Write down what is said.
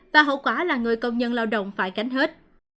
và hậu quả là người công nhân lao động phải gánh hết